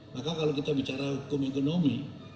maka kalau kita bicara hukum ekonomi